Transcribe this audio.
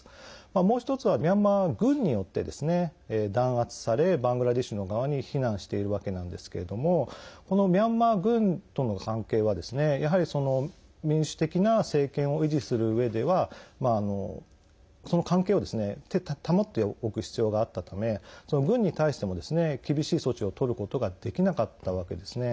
もう一つはミャンマー軍によって弾圧されバングラデシュの側に避難しているわけなんですけれどこのミャンマー軍との関係はやはり、民主的な政権を維持するうえではその関係を保っておく必要があったためその軍に対しても厳しい措置をとることができなかったわけですね。